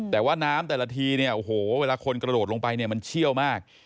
แต่ว่าน้ำแต่ละทีเนี่ยโอ้โหเวลาคนกระโดดลงไปเนี่ยมันเชี่ยวมาก